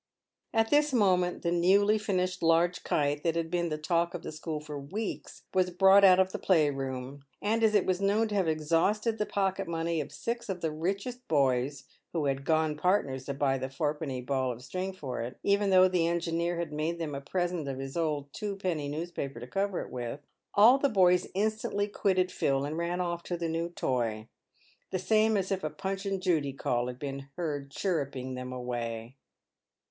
At this moment the newly finished large kite, that had been the talk of the school for weeks, was brought out of the playroom, and as it was known to have exhausted the pocket money of six of the richest boys, who had "gone partners" to buy the fourpenny ball of string for it — even though the engineer had made them a present of an old twopenny newspaper to. cover it with — all the boys instantly quitted Phil, and ran off to the new toy, the same as if a Punch and Judy's call had been heard chirruping them away.